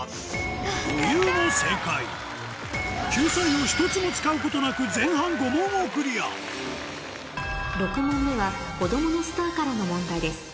余裕の正解救済を１つも使うことなく前半６問目はこどものスターからの問題です